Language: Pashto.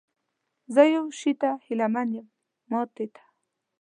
زه یو شي ته هیله من یم، ماتې ته؟